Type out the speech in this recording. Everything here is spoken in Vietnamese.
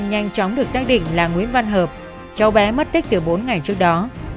nhanh chóng được xác định là nguyễn văn hợp cháu bé mất tích từ bốn ngày trước đó